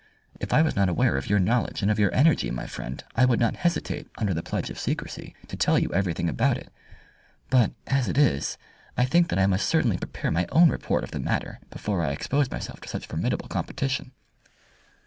If I was not aware of your knowledge and of your energy, my friend, I would not hesitate, under the pledge of secrecy, to tell you everything about it. But as it is I think that I must certainly prepare my own report of the matter before I expose myself to such formidable competition."